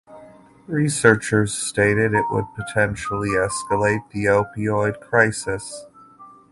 Researchers stated it would potentially escalate the Opioid Crisis.